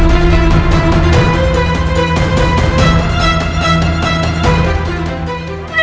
untuk bisa pulih jadi